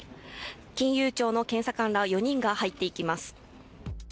金融庁の検査官ら４人が入っていきます。